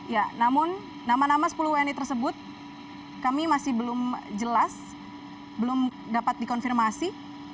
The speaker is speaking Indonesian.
ya namun nama nama sepuluh wni tersebut kami masih belum jelas belum dapat dikonfirmasi